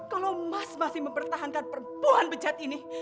kalau mas masih mempertahankan perempuan becat ini